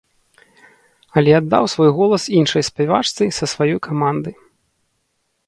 Але аддаў свой голас іншай спявачцы са сваёй каманды.